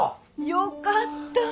よかった。